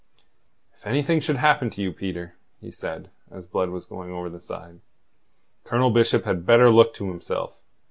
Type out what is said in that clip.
"If anything should happen to you, Peter," he said, as Blood was going over the side, "Colonel Bishop had better look to himself.